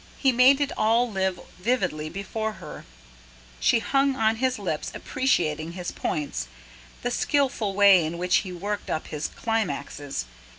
He made it all live vividly before her; she hung on his lips, appreciating his points, the skilful way in which he worked up his climaxes.